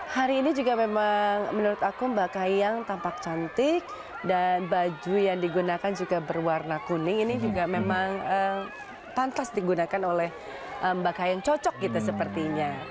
hari ini juga memang menurut aku mbak kahiyang tampak cantik dan baju yang digunakan juga berwarna kuning ini juga memang pantas digunakan oleh mbak kayang cocok gitu sepertinya